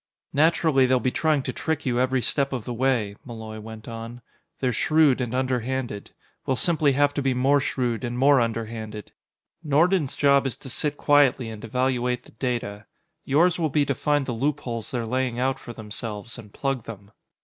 "Naturally, they'll be trying to trick you every step of the way," Malloy went on. "They're shrewd and underhanded; we'll simply have to be more shrewd and more underhanded. Nordon's job is to sit quietly and evaluate the data; yours will be to find the loopholes they're laying out for themselves and plug them.